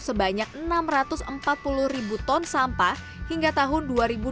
sebanyak enam ratus empat puluh ribu ton sampah hingga tahun dua ribu dua puluh